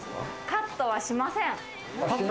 カットはしません。